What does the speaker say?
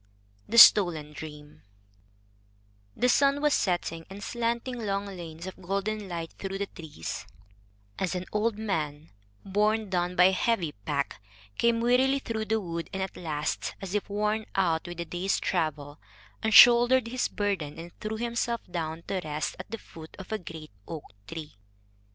THE STOLEN DREAM The sun was setting, and slanting long lanes of golden light through the trees, as an old man, borne done by a heavy pack, came wearily through the wood, and at last, as if worn out with the day's travel, unshouldered his burden and threw himself down to rest at the foot of a great oak tree.